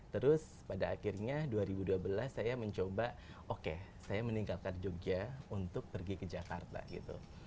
terus pada akhirnya dua ribu dua belas saya mencoba oke saya meninggalkan jogja untuk pergi ke jakarta gitu